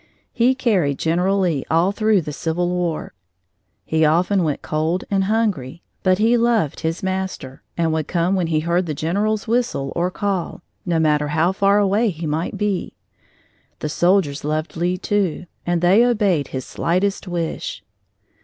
He carried General Lee all through the Civil War. He often went cold and hungry, but he loved his master and would come when he heard the general's whistle or call, no matter how far away he might be. The soldiers loved Lee, too, and they obeyed his slightest wish.